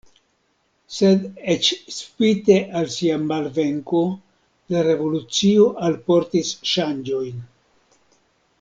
Sed eĉ spite al sia malvenko la revolucio alportis ŝanĝojn.